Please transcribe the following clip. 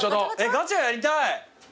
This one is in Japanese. ガチャやりたい。